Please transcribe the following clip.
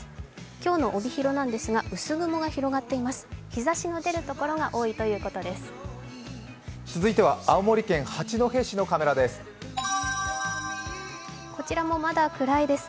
今日の帯広ですが、薄雲が広がっています。